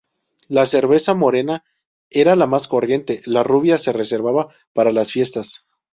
La cerveza morena era la más corriente, la rubia se reservaba para las fiestas.